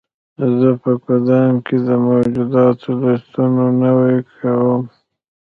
زه په ګدام کې د موجوداتو لیستونه نوي کوم.